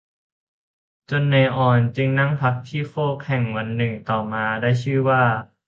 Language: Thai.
จนเหนื่อยอ่อนจึงนั่งพักที่โคกแห่งหนึ่งต่อมาได้ชื่อว่า